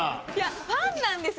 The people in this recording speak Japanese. ファンなんですよ。